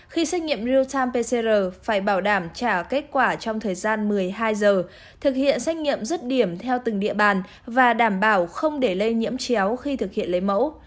khi xét nghiệm real time pcr phải bảo đảm trả kết quả trong thời gian một mươi hai giờ thực hiện xét nghiệm rứt điểm theo từng địa bàn và đảm bảo không để lây nhiễm chéo khi thực hiện lấy mẫu